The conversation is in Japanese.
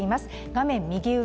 画面右上